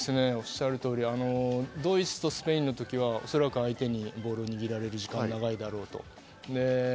おっしゃる通り、ドイツとスペインの時はおそらく相手にボールを握られてしまう時間帯が長いだろうと。